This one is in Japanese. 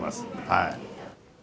はい。